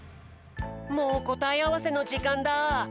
もうこたえあわせのじかんだ。